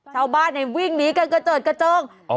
ชาวบ้านวิ่งหนีกันกระเจิดกระเจิง